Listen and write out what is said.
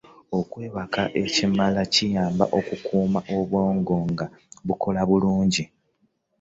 okwebaka ekimala kiyamba okukuuma obwongo nga bukola bulungi.